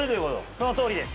そのとおりです。